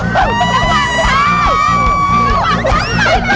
ไปแล้วหนึ่ง